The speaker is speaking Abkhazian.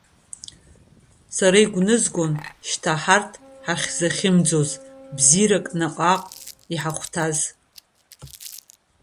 Са игәнызгон шьҭа ҳарҭ ҳахьахьымӡоз бзиарак, наҟ-ааҟ иҳахәҭаз.